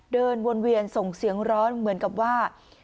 เดินวนเวียนส่งเสียงร้อนเหมือนกับว่า